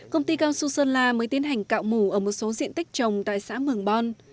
công ty cao su sơn la mới tiến hành cạo mủ ở một số diện tích trồng tại xã mường bon